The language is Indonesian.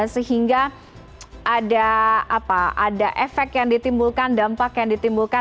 sehingga ada efek yang ditimbulkan dampak yang ditimbulkan